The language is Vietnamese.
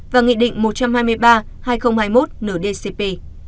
và nghị định một trăm hai mươi ba hai nghìn hai mươi một ndcp